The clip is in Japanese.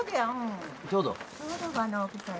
ちょうどや。